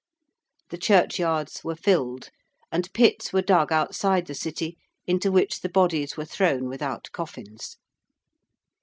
The churchyards were filled and pits were dug outside the City into which the bodies were thrown without coffins.